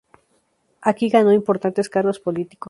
Aquí, ganó importantes cargos políticos.